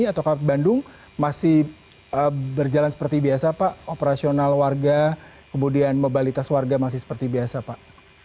atau bandung masih berjalan seperti biasa pak operasional warga kemudian mobilitas warga masih seperti biasa pak